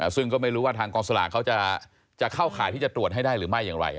ซึ่งก็ไม่รู้ว่าทางกองสลากเขาจะเข้าข่ายที่จะตรวจให้ได้หรือไม่อย่างไร